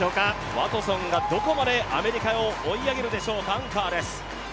ワトソンがどこまでアメリカを追い上げるでしょうか、アンカーです。